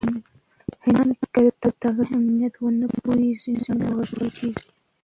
انسان که د تغذیې اهمیت ونه پوهیږي، ناروغ کیږي.